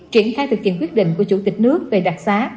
triển khai thực hiện quyết định của chủ tịch nước về đặc xá